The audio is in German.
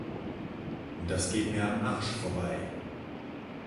Das geht mir am Arsch vorbei!